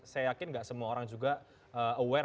saya yakin nggak semua orang juga aware